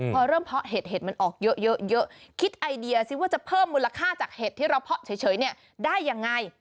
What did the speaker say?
พอเริ่มเพาะเห็ดเห็ดมันออกเยอะคิดไอเดียซิว่าจะเพิ่มมูลค่าจากเห็ดที่เราเพาะเฉยเนี่ยได้ยังไง